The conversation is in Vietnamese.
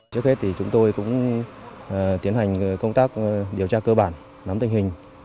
trước hết thì chúng tôi cũng tiến hành công tác điều tra cơ bản nắm tình hình